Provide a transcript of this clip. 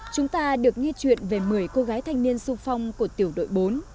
chúng ta được nghe chuyện về một mươi cô gái thanh niên xu phong của tiểu đội bốn